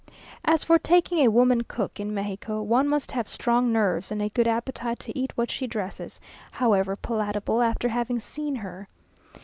As for taking a woman cook in Mexico, one must have strong nerves and a good appetite to eat what she dresses, however palatable, after having seen her.